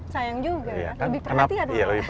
sayang juga lebih perhatian